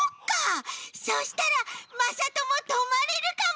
そしたらまさともとまれるかも。